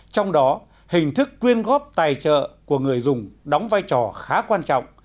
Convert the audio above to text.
trong đó hình thức quyên góp tài trợ của người dùng đóng vai trò khá quan trọng